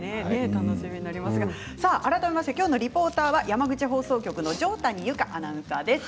改めまして今日のリポーターは山口放送局の条谷有香アナウンサーです。